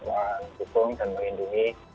menghubungi dan menghidupi